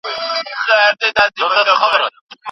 په ټولنه کي د سپین ږیرو بې احترامي کول ښه کار نه دی.